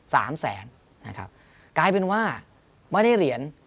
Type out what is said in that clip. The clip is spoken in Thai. สามแสนนะครับกลายเป็นว่าไม่ได้เหรียญ